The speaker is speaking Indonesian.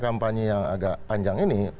kampanye yang agak panjang ini